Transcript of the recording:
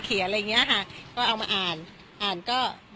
เกลียดมาก